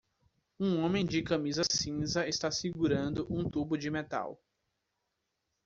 Um homem de camisa cinza está segurando um tubo de metal.